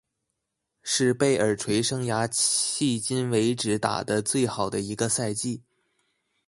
是贝尔垂生涯迄今为止打得最好的一个赛季。